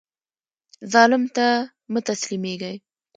ظالم ته مه تسلیمیږئ